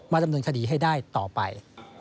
มาจำนวนคดีให้ได้ต่อไป